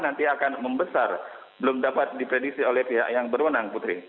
nanti akan membesar belum dapat diprediksi oleh pihak yang berwenang putri